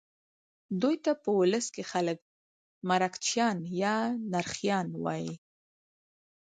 دوی ته په ولس کې خلک مرکچیان یا نرخیان وایي.